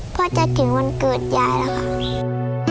เพื่อจะถึงวันเกิดยายแล้วค่ะแม่